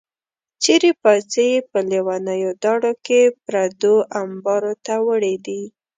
څېرې پایڅې یې په لیونیو داړو کې پردو امبارو ته وړې دي.